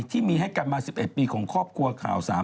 ที่มีให้กันมา๑๑ปีของครอบครัวข่าว๓